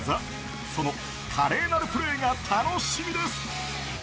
その華麗なるプレーが楽しみです。